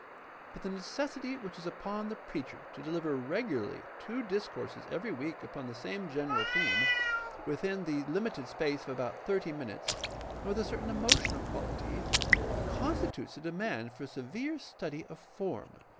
But the necessity which is upon the preacher to deliver regularly two discourses every week upon the same general theme, within the limited space of about thirty minutes, and with a certain emotional quality, PRACTICAL THEOLOGY 593 constitutes a demand for a severe study of form.